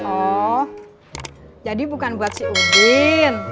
oh jadi bukan buat si udin